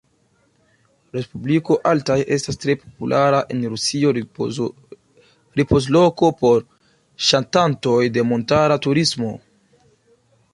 Respubliko Altaj estas tre populara en Rusio ripozloko por ŝatantoj de montara turismo.